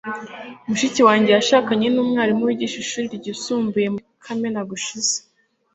Mushiki wanjye yashakanye numwarimu wishuri ryisumbuye muri kamena gushize.